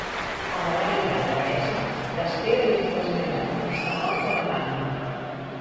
Adelaida, l’abadessa, l’espera mig desmaiada; està morta de gana...